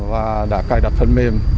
và đã cài đặt phần mềm